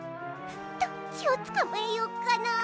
どっちをつかまえよっかな。